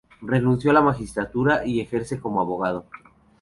Renunció a la magistratura y ejerce como abogado.